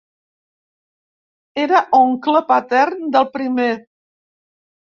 Era oncle patern del primer.